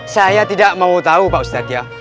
saya tidak mau tahu pak ustadz ya